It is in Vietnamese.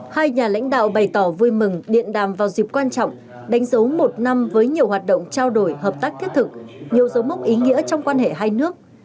hai nhà lãnh đạo bày tỏ vui mừng điện đàm vào dịp quan trọng đánh dấu một năm với nhiều hoạt động trao đổi hợp tác thiết thực nhiều dấu mốc ý nghĩa trong quan hệ hai nước